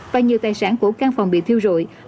và nhiều tài sản của căn phòng bị thiêu rụi